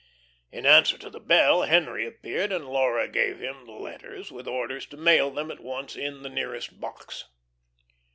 In answer to the bell Henry appeared, and Laura gave him the letters, with orders to mail them at once in the nearest box.